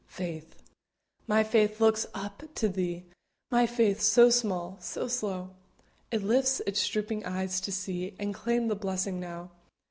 FAITH. My faith looks up to Thee My faith, so small, so slow; It lifts its drooping eyes to see And claim the blessing now.